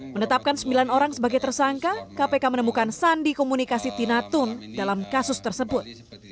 menetapkan sembilan orang sebagai tersangka kpk menemukan sandi komunikasi tinatun dalam kasus tersebut